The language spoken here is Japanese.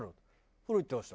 「風呂行ってました」。